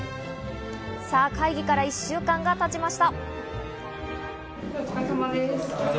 会議から１週間が経ちました。